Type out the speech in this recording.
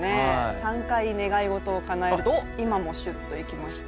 ３回願い事をかなえると今もしゅっといきました、